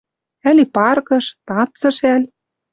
Ӓли паркыш, танцыш ӓль...